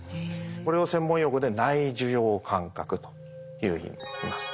これを専門用語で内受容感覚というふうにいいます。